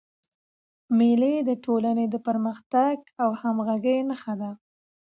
مېلې د ټولني د پرمختګ او همږغۍ نخښه ده.